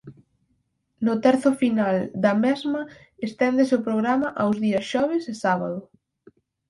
No terzo final da mesma esténdese o programa aos días xoves e sábado.